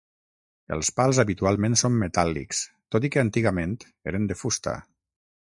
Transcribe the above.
Els pals habitualment són metàl·lics, tot i que antigament eren de fusta.